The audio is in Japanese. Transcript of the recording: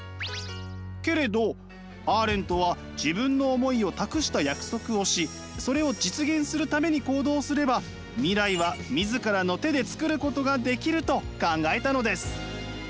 けれどアーレントは自分の思いを託した約束をしそれを実現するために行動すれば未来は自らの手でつくることができると考えたのです。